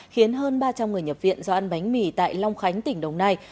khiến hơn ba trăm linh người nhập viện do ăn bánh mì tại long khánh tỉnh đồng nai